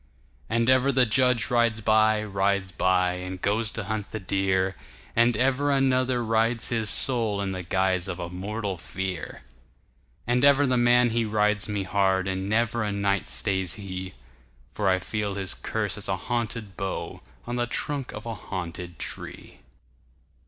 And ever the judge rides by, rides by, And goes to hunt the deer, And ever another rides his soulIn the guise of a mortal fear. And ever the man he rides me hard, And never a night stays he; For I feel his curse as a haunted boughOn the trunk of a haunted tree.